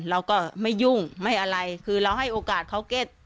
เราก็ไม่ยุ่งไม่อะไรคือเราให้โอกาสเขาเก็ต